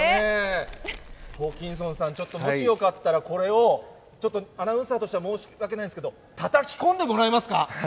ホーキンソンさん、ちょっと、もしよかったら、これをちょっと、アナウンサーとしてはちょっと申し訳ないんですけど、たたき込んでもらえますか？